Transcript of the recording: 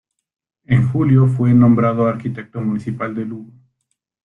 En julio fue nombrado arquitecto municipal de Lugo.